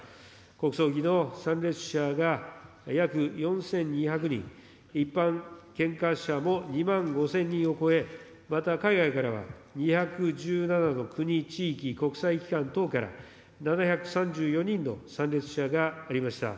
国葬儀の参列者が約４２００人、一般献花者も２万５０００人を超え、また海外からは２１７の国、地域、国際機関等から、７３４人の参列者がありました。